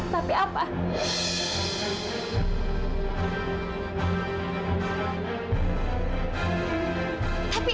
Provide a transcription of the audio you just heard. tapi apa kak fadil